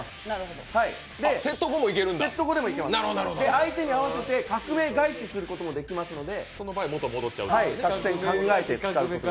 相手に合わせて革命返しすることもできますので。